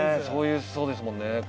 「そういうそうですもんね」